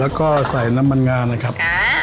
แล้วก็ใส่น้ำมันงานะครับ